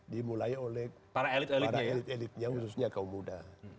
dimulai oleh para elit elitnya khususnya kaum muda